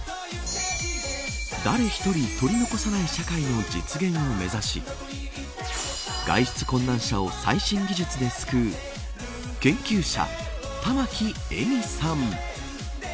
誰１人取り残さない社会の実現を目指し外出困難者を最新技術で救う研究者玉城絵美さん。